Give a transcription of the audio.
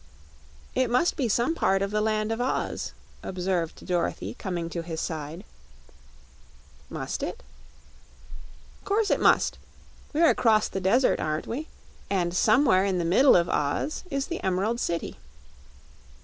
"It must be some part of the Land of Oz," observed Dorothy, coming to his side. "Must it?" "'Course it must. We're across the desert, aren't we? And somewhere in the middle of Oz is the Emerald City."